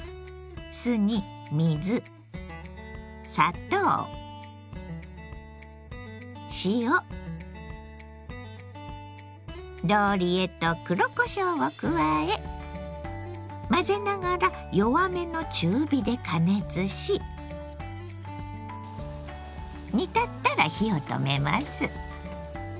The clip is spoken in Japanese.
酢に水砂糖塩ローリエと黒こしょうを加え混ぜながら弱めの中火で加熱し煮立ったら火を止めます。